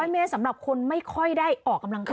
๐เมตรสำหรับคนไม่ค่อยได้ออกกำลังกาย